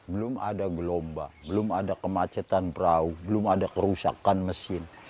belum ada gelombang belum ada kemacetan perahu belum ada kerusakan mesin